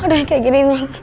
aduh yang kayak gini gini